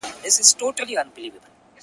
اوس په كلي كي چي هر څه دهقانان دي؛